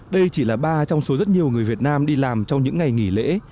đây chỉ là ba trong số rất nhiều người việt nam đi làm trong những ngày nghỉ lễ